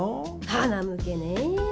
はなむけねえ。